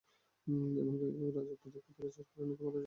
এমন এক রাজত্ব দেখতে পেল যার কারণে তাঁর রাজত্ব শেষ হয়ে যাবে।